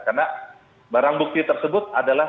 karena barang bukti tersebut adalah